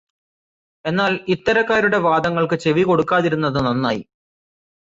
എന്നാൽ ഇത്തരക്കാരുടെ വാദങ്ങൾക്ക് ചെവികൊടുക്കാതിരുന്നത് നന്നായി.